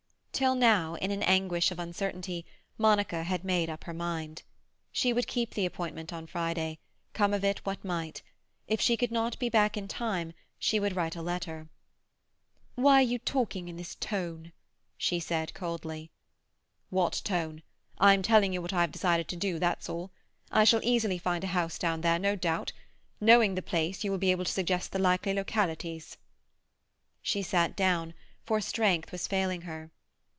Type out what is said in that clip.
Till now, in an anguish of uncertainty, Monica had made up her mind. She would keep the appointment on Friday, come of it what might. If she could not be back in time, she would write a letter. "Why are you talking in this tone?" she said coldly. "What tone? I am telling you what I have decided to do, that's all. I shall easily find a house down there, no doubt. Knowing the place, you will be able to suggest the likely localities." She sat down, for strength was failing her.